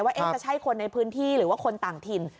ว่าจะใช่คนในพื้นที่หรือว่าคนต่างถิ่น